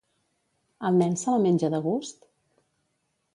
El nen se la menja de gust?